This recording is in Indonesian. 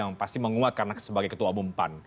yang pasti menguat karena sebagai ketua bumpan